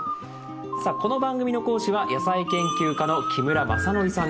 さあこの番組の講師は野菜研究家の木村正典さんです。